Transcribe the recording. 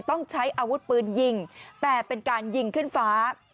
ต้องใช้อาวุธปืนยิงแต่เป็นการยิงขึ้นฟ้า